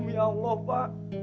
ya allah pak